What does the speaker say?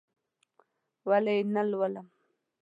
ولې یې نه لولم؟!